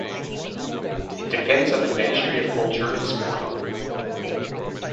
It depends on the Ministry of Culture and Sport.